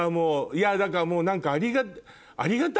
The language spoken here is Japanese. いやだからもう何か。